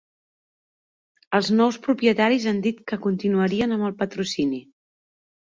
Els nous propietaris han dit que continuarien amb el patrocini.